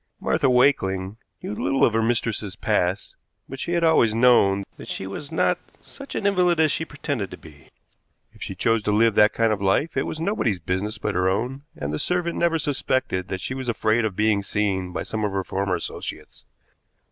Martha Wakeling knew little of her mistress's past, but she had always known that she was not such an invalid as she pretended to be. If she chose to live that kind of life, it was nobody's business but her own, and the servant never suspected that she was afraid of being seen by some of her former associates.